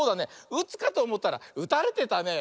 うつかとおもったらうたれてたね。